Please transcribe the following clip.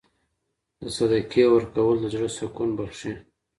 د صدقې ورکول د زړه سکون بښي.